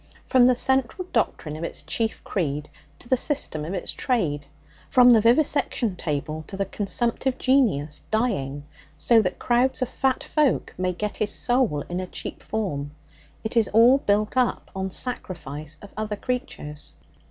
From the central doctrine of its chief creed to the system of its trade; from the vivisection table to the consumptive genius dying so that crowds of fat folk may get his soul in a cheap form, it is all built up on sacrifice of other creatures.